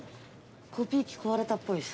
コピー機壊れたっぽいっす。